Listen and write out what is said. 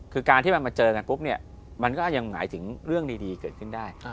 คือการที่มันมาเจอกันปุ๊บเนี่ยมันก็ยังหมายถึงเรื่องดีเกิดขึ้นได้